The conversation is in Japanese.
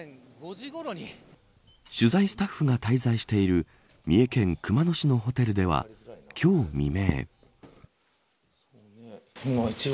取材スタッフが滞在している三重県熊野市のホテルでは今日未明。